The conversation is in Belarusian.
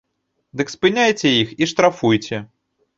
Дык спыняйце іх і штрафуйце!